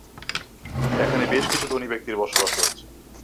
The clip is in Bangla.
এখানে বেশ কিছু ধনী ব্যক্তির বসবাস রয়েছে।